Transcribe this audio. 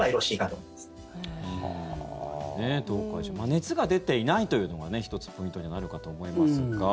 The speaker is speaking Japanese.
熱が出ていないというのが１つ、ポイントにはなるかと思いますが